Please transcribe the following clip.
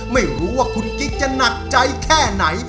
ไม่รู้ว่าคุณกิ๊กจะหนักใจแค่ไหน